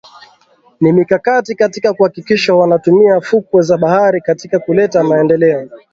Ni mikakati katika kuhakikisha wanatumia fukwe za bahari katika kuleta maendeleo